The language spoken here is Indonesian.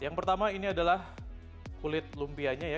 yang pertama ini adalah kulit lumpianya ya